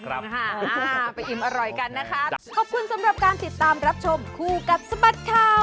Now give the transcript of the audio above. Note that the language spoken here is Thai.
พาไปอิ่มอร่อยกันนะคะขอบคุณสำหรับการติดตามรับชมคู่กับสบัดข่าว